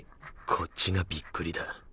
こっちがびっくりだ